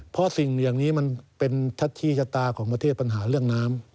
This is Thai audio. เพราะสิ่งอย่างนี้มันเป็นทัชชี้ชะตาของประเทศปัญหาเรื่องน้ำ